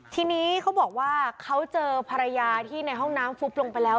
ทีนี้เขาบอกว่าเขาเจอภรรยาที่ในห้องน้ำฟุบลงไปแล้ว